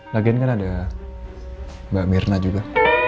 lagian kan ada mbak mirna juga